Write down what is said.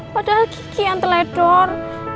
padahal kiki yang teledor